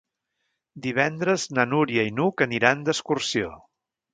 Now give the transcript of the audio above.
Divendres na Núria i n'Hug aniran d'excursió.